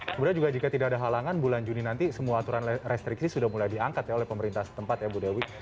kemudian juga jika tidak ada halangan bulan juni nanti semua aturan restriksi sudah mulai diangkat oleh pemerintah setempat ya bu dewi